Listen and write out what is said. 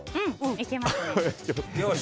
いけます。